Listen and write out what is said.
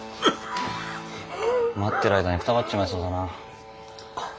待ってる間にくたばっちまいそうだな。